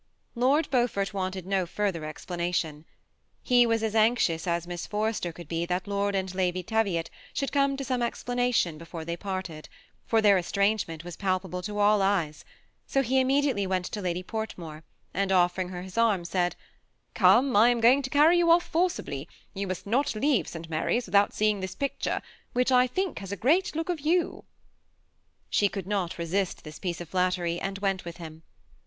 *' Lord Beaufort wanted no further explanation. He was as anxious as Miss Forrester could be, that Lord and Lady Teviot should come to some explanation before they parted, for their estrangement was palpable to all eyes ; so he immediately went to Lady Portmore and offering her his arm, said, ^^ Gome, I am going to carry you off forcibly ; you must not leave St. Mary's without seeing this picture, which I think has a great look of you." She could not resist this piece of flattery, and went with him.